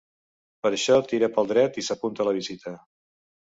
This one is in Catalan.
Per això tira pel dret i s'apunta a la visita.